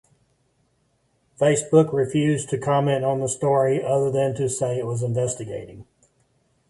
Facebook refused to comment on the story other than to say it was investigating.